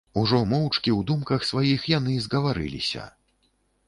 Ужо моўчкі ў думках сваіх яны згаварыліся.